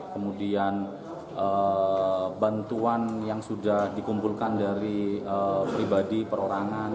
kemudian bantuan yang sudah dikumpulkan dari pribadi perorangan